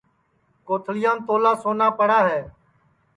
کوتھݪِیام تولا سونا پڑا ہے